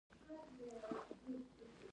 موږ کولای شو په ښه توګه تصور وکړو.